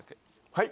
はい？